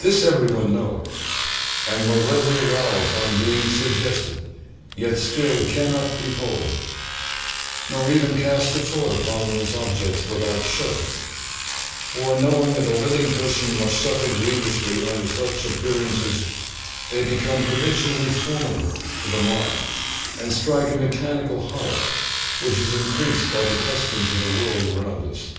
This every one knows, and will readily allow upon being suggested, yet still cannot behold, nor even cast a thought upon those objects without shuddering; for knowing that a living person must suffer grievously under such appearances, they become habitually formidable to the mind, and strike a mechanical horror, which is increased by the customs of the world around us.'